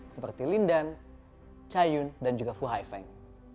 seperti lindan chayun dan juga fu haifeng